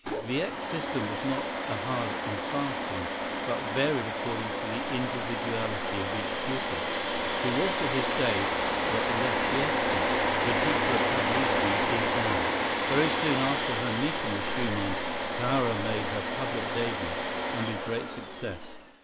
Wieck's system was not a hard and fast one, but varied according to the individuality of each pupil. He was to his day what Leschetizky, the teacher of Paderewski, is now. Very soon after her meeting with Schumann, Clara made her public début, and with great success.